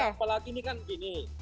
ya apalagi ini kan begini